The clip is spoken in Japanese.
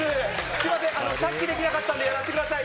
すみません、さっき出来上がったんでやってください。